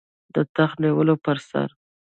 د تخت نیولو پر سر.